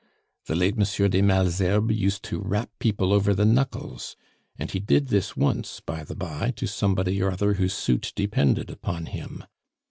The late M. de Malesherbes use to rap people over the knuckles; and he did this once, by the by, to somebody or other whose suit depended upon him.